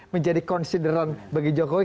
menjadi consideron bagi jokowi